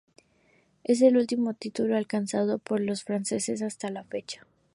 Es el último título alcanzado por los franceses hasta la fecha.